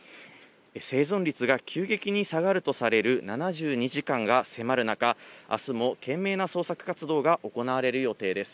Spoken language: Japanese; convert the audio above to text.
生存率が急激に下がるとされる７２時間が迫る中、あすも懸命な捜索活動が行われる予定です。